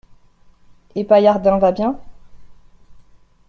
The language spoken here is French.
Et Paillardin va bien ?…